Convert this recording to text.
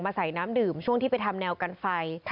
ใส่น้ำดื่มช่วงที่ไปทำแนวกันไฟ